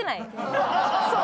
そう。